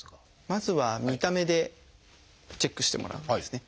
まずは見た目でチェックしてもらうんですね。